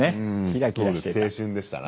キラキラしてた。